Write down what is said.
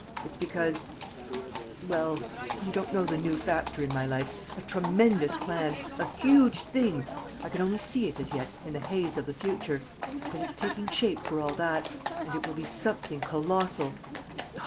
It's because ... well ... you don't know the new factor in my life ... a tremendous plan ... a huge thing ... I can only see it, as yet, in the haze of the future ... but it's taking shape for all that ... and it will be something colossal.